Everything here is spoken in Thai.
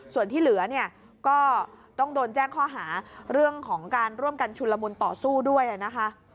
ส่วนที่เหลือเนี่ยก็ต้องโดนแจ้งข้อหาเรื่องของการร่วมกันชุนละมุนต่อสู้ด้วยนะคะ